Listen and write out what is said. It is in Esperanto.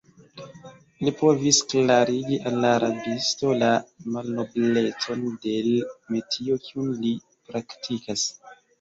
Li provis klarigi al la rabisto la malnoblecon de l' metio, kiun li praktikas.